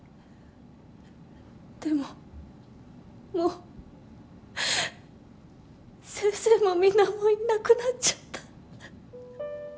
でももう先生もみんなもいなくなっちゃった。